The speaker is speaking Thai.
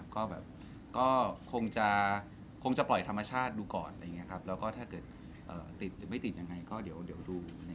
ก็คงจะปล่อยธรรมชาติดูก่อนแล้วก็ถ้าเกิดติดหรือไม่ติดยังไงก็เดี๋ยวดู